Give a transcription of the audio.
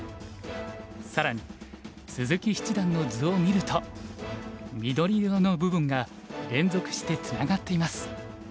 更に鈴木七段の図を見ると緑色の部分が連続してつながっています。